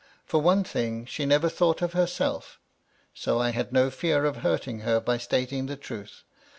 For one thing, she never thought of herself, so I had no fear of hurting her by stating the truth.